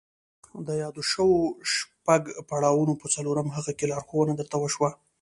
د يادو شويو شپږو پړاوونو په څلورم هغه کې لارښوونه درته وشوه.